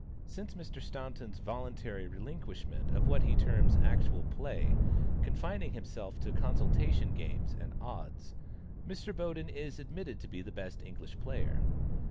Since Mr. Staunton's voluntary relinquishment of what he terms "actual play," confining himself to consultation games and "odds," Mr. Boden is admitted to be the best English player.